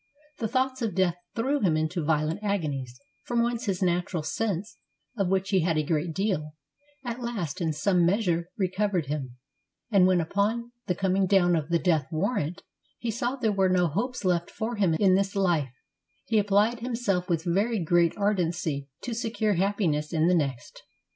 The thoughts of death threw him into violent agonies from whence his natural sense (of which he had a great deal) at last in some measure recovered him; and when upon the coming down of the death warrant, he saw there were no hopes left for him in this life, he applied himself with very great ardency to secure happiness in the next.